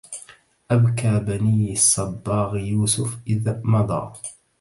أبكى بني الصباغ يوسف إذ مضى